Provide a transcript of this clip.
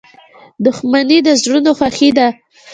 دوستي د زړونو خوښي ده.